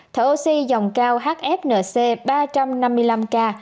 thở oxy dòng cao hfnc ba trăm năm mươi năm k